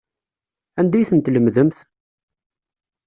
Anda ay ten-tlemdemt?